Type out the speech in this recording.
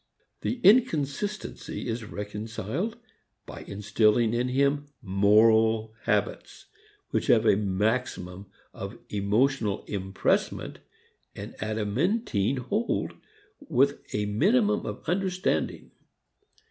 The inconsistency is reconciled by instilling in him "moral" habits which have a maximum of emotional empressment and adamantine hold with a minimum of understanding.